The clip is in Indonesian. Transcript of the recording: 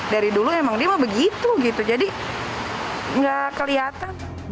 dari dulu dia memang begitu jadi tidak kelihatan